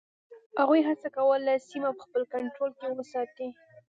هغوی هڅه کوله سیمه په خپل کنټرول کې وساتي.